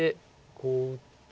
こう打って。